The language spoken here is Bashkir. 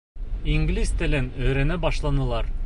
Инглиз телен өйрәнә башланылар.